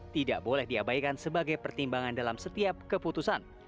tidak boleh diabaikan sebagai pertimbangan dalam setiap keputusan